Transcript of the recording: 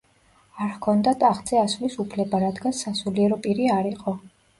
არ ჰქონდა ტახტზე ასვლის უფლება, რადგან სასულიერო პირი არ იყო.